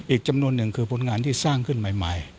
อีกจำนวนหนึ่งคือผลงานที่สร้างขึ้นใหม่